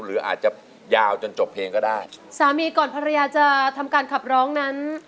หรืออาจจะยาวจนจบเพลงก็ได้สามีก่อนภรรยาจะทำการขับร้องนั้น